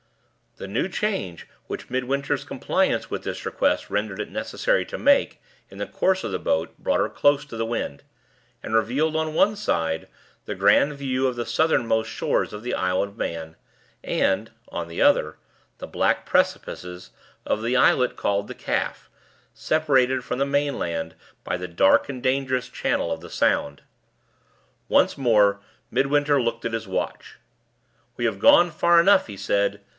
The new change which Midwinter's compliance with this request rendered it necessary to make in the course of the boat brought her close to the wind; and revealed, on one side, the grand view of the southernmost shores of the Isle of Man, and, on the other, the black precipices of the islet called the Calf, separated from the mainland by the dark and dangerous channel of the Sound. Once more Midwinter looked at his watch. "We have gone far enough," he said.